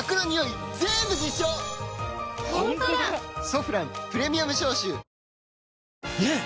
「ソフランプレミアム消臭」ねえ‼